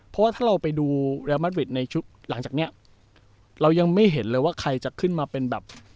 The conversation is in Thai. เพราะว่าถ้าเราไปดูเรลมัดวิดในชุดหลังจากเนี้ยเรายังไม่เห็นเลยว่าใครจะขึ้นมาเป็นแบบ